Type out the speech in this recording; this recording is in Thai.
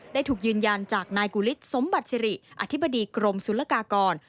ได้ถูกยืนยันจากนายกุฤษสมบัติสิริอธิบดีกรมศุลกากร